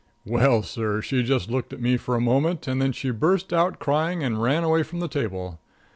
Well sir, she just looked at me for a moment, and then she burst out crying and ran away from the table.